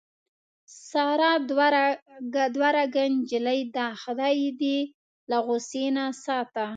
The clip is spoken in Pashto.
ساره دوه رګه نجیلۍ ده. خدای یې دې له غوسې نه ساته.